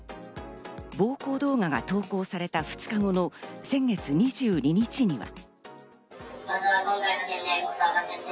暴行動画が投稿された２日後の先月２２日には。